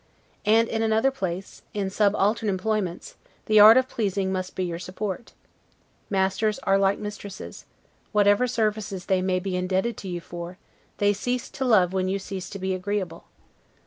And, in another place, in subaltern employments, the art of pleasing must be your support. Masters are like mistresses: whatever services they may be indebted to you for, they cease to love when you cease to be agreeable.